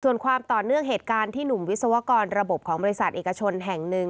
ส่วนความต่อเนื่องเหตุการณ์ที่หนุ่มวิศวกรระบบของบริษัทเอกชนแห่งหนึ่ง